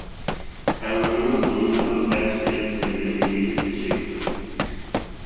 -تەڭرىنىڭ دۇنياغا بەخت ئېلىپ كەلگەنلىكىگە تەشەككۈر.